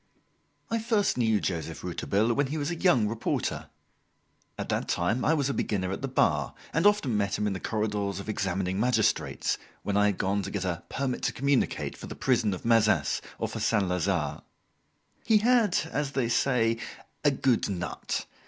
I first knew Joseph Rouletabille when he was a young reporter. At that time I was a beginner at the Bar and often met him in the corridors of examining magistrates, when I had gone to get a "permit to communicate" for the prison of Mazas, or for Saint Lazare. He had, as they say, "a good nut."